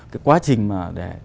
cái quá trình mà để